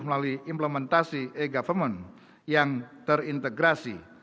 melalui implementasi e government yang terintegrasi